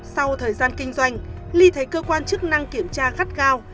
sau thời gian kinh doanh ly thấy cơ quan chức năng kiểm tra gắt gao